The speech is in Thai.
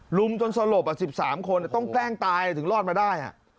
รุมจนสลบ๑๓คนต้องแกล้งตายถึงรอดมาได้